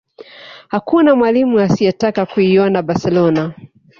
hakuna mwalimu asiyetaka kuinoa barcelona